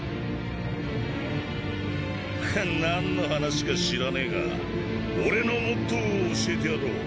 何の話か知らねえが俺のモットーを教えてやろう。